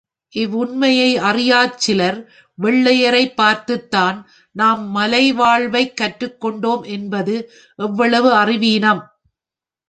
இவ்வுண்மையை அறியாச் சிலர், வெள்ளையரைப் பார்த்துத்தான், நாம் மலைவாழ்வைக் கற்றுக் கொண்டோம் என்பது எவ்வளவு அறிவீனம்.